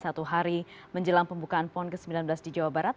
satu hari menjelang pembukaan pon ke sembilan belas di jawa barat